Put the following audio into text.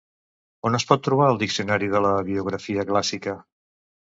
On es pot trobar el Diccionari de la biografia clàssica?